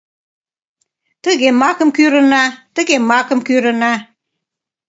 Тыге макым кӱрына, тыге макым кӱрына.